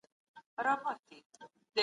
انصاف له بې عدالتۍ څخه غوره دی.